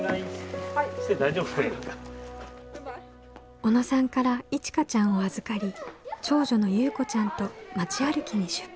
小野さんからいちかちゃんを預かり長女のゆうこちゃんと町歩きに出発。